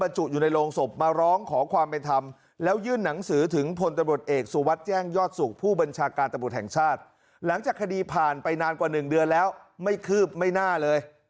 หลังจากคดีผ่านไปนานกว่า๑เดือนแล้วไม่คืบไม่น่าเลย